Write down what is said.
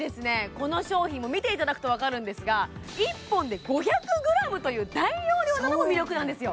この商品も見ていただくとわかるんですが１本で５００ｇという大容量なのも魅力なんですよ